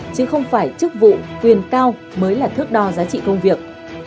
chứ không phải chức vụ quyền cao mới là thước đo giá trị công việc